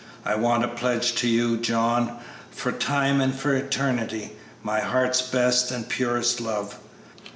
I want to pledge to you, John, for time and for eternity, my heart's best and purest love.